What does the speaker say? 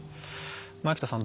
前北さん